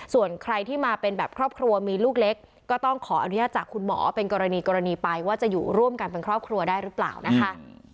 ส่วนใครที่มาเป็นแบบครอบครัวมีลูกเล็กก็ต้องขออนุญาตจากคุณหมอเป็นกรณีกรณีไปว่าจะอยู่ร่วมกันเป็นครอบครัวได้หรือเปล่านะคะ